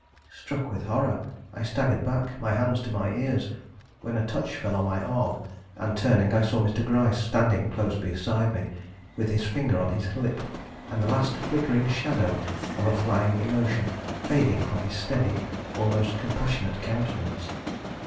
Struck with horror, I staggered back, my hands to my ears, when a touch fell on my arm, and turning, I saw Mr. Gryce standing close beside me, with his finger on his lip, and the last flickering shadow of a flying emotion fading from his steady, almost compassionate countenance.